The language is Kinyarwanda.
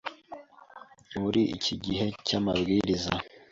muri iki gihe cy'amabwiriza